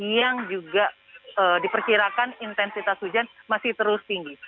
yang juga diperkirakan intensitas hujan masih terus tinggi